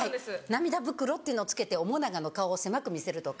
涙袋っていうのをつけて面長の顔を狭く見せるとか。